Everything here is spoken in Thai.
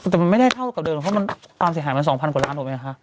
แต่มันไม่ได้เท่ากับเดิมเพราะมันตามสิทธิ์หายมาสองพันกว่าล้านเหรอไหมคะ